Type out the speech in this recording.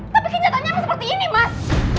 tapi kenyataannya seperti ini mas